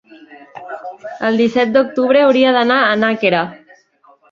El disset d'octubre hauria d'anar a Nàquera.